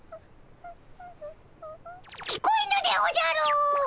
聞こえぬでおじゃる！